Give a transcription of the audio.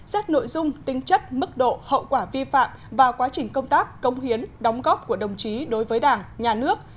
xét nội dung tính chất mức độ hậu quả vi phạm và quá trình công tác công hiến đóng góp của đồng chí đối với đảng nhà nước